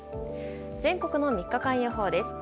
全国の３日間予報です。